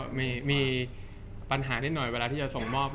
จากความไม่เข้าจันทร์ของผู้ใหญ่ของพ่อกับแม่